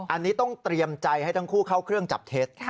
อันนี้ต้องเตรียมใจให้ทั้งคู่เข้าเครื่องจับเท็จ